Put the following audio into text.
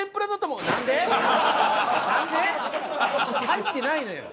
入ってないのよ。